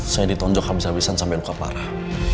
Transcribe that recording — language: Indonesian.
saya ditonjok habis habisan sampai luka parah